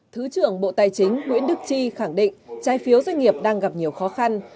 thứ trưởng bộ tài chính nguyễn đức chi khẳng định trái phiếu doanh nghiệp đang gặp nhiều khó khăn